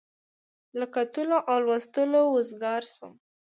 له کتلو او لوستلو وزګار شوم.